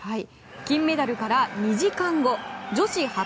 金メダルから２時間後女子８００ｍ